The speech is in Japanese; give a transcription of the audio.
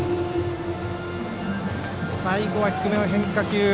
最後は低めの変化球。